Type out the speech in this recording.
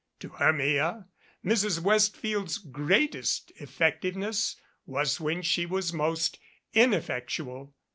To Hermia Mrs. Westfield's greatest effectiveness was when she was most ineffectual.